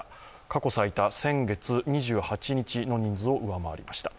過去最多、先月２８日の人数を上回りました。